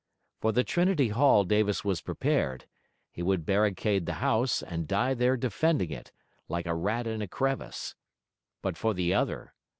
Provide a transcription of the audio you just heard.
For the Trinity Hall Davis was prepared; he would barricade the house, and die there defending it, like a rat in a crevice. But for the other?